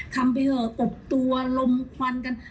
ทำไปเถอะอบตัวลมควันกัน